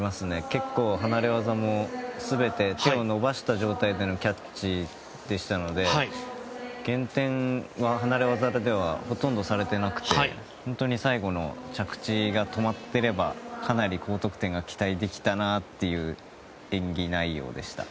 結構、離れ技も全て手を伸ばした状態でのキャッチでしたので減点は離れ技ではほとんどされていなくて本当に、最後の着地が止まってれば、かなり高得点が期待できたなという演技内容でした。